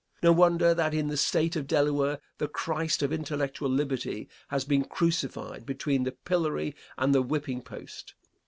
No wonder that in the State of Delaware the Christ of intellectual liberty has been crucified between the pillory and the whipping post.